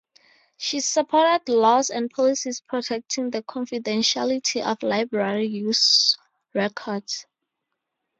She supported laws and policies protecting the confidentiality of library use records.